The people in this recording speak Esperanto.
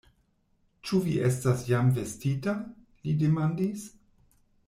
Ĉu vi estas jam vestita? li demandis.